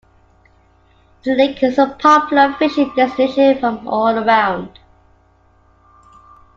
The lake is a popular fishing destination from all around.